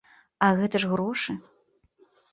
А гэта ж грошы!